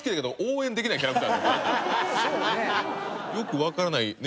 よくわからないね